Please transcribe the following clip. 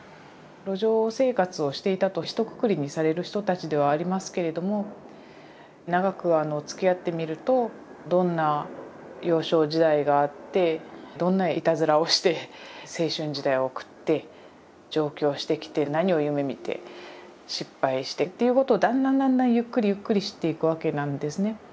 路上生活をしていたとひとくくりにされる人たちではありますけれども長くつきあってみるとどんな幼少時代があってどんないたずらをして青春時代を送って上京してきて何を夢みて失敗してっていうことをだんだんだんだんゆっくりゆっくり知っていくわけなんですね。